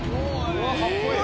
うわかっこいい。